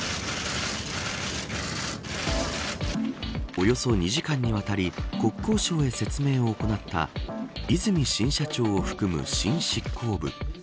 およそ２時間にわたり国交省へ説明を行った和泉新社長を含む新執行部。